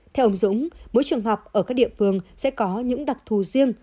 theo ông dũng mỗi trường học ở các địa phương sẽ có những đặc thù riêng